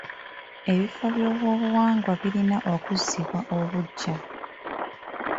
Ebifo by'ebyobuwangwa birina okuzzibwa obuggya.